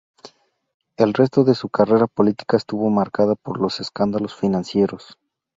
El resto de su carrera política estuvo marcada por los escándalos financieros.